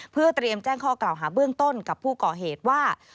เพื่อเตรียมแจ้งข้อกล่าวหาเบื้องต้นกับผู้ก่อเหตุว่า